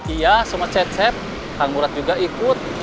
iya sama cecep kang murad juga ikut